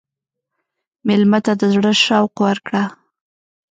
مېلمه ته د زړه شوق ورکړه.